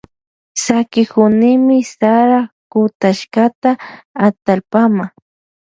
Sakikunimi sara kutashkata atallpama.